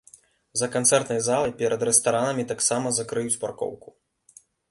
За канцэртнай залай, перад рэстаранамі таксама закрыюць паркоўку.